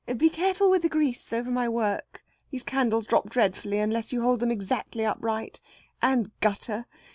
Be careful with the grease over my work. These candles drop dreadfully, unless you hold them exactly upright. And gutter.